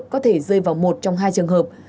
có thể rơi vào một trong hai trường hợp